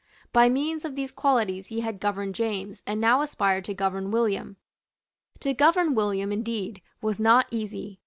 By means of these qualities he had governed James, and now aspired to govern William. To govern William, indeed, was not easy.